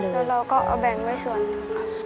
แล้วเราก็เอาแบ่งไว้ส่วนครับ